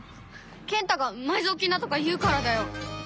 健太が埋蔵金だとか言うからだよ！